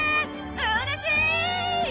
うれしい！